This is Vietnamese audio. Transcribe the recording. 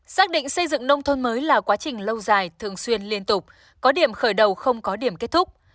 xác định xây dựng nông thôn mới là quá trình lâu dài thường xuyên liên tục có điểm khởi đầu không có điểm kết thúc